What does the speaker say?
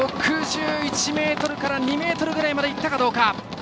６１ｍから６２ｍぐらいまでいったかどうか。